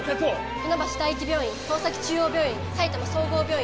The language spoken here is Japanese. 船橋第一病院川崎中央病院埼玉総合病院